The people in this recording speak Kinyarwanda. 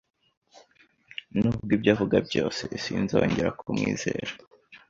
Nubwo ibyo avuga byose, sinzongera kumwizera.